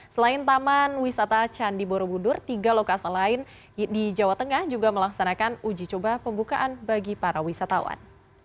selain taman wisata candi borobudur tiga lokasi lain di jawa tengah juga melaksanakan uji coba pembukaan bagi para wisatawan